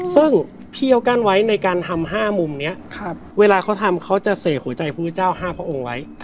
ซึ่งพี่เขากั้นไว้ในการทำ๕มุมนี้เวลาเขาทำเขาจะเสกหัวใจพระพุทธเจ้า๕พระองค์ไว้